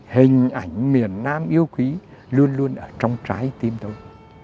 hình ảnh miền nam yêu quý luôn luôn ở trong trái tim tôi